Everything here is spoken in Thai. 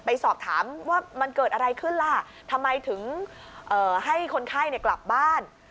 สอบถามว่ามันเกิดอะไรขึ้นล่ะทำไมถึงให้คนไข้กลับบ้าน